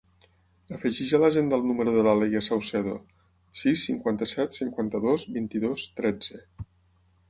Afegeix a l'agenda el número de la Leia Saucedo: sis, cinquanta-set, cinquanta-dos, vint-i-dos, tretze.